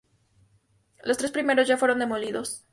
Los tres primeros ya fueron demolidos.